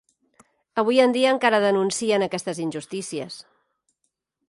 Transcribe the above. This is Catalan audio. Avui en dia encara denuncien aquestes injustícies.